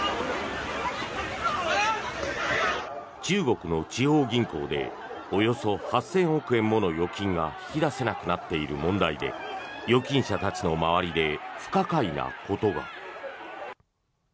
中国の地方銀行でおよそ８０００億円もの預金が引き出せなくなっている問題で預金者たちの周りで不可解なことが。